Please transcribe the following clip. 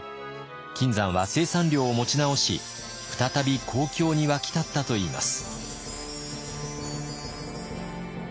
金山は生産量を持ち直し再び好況に沸き立ったといいます。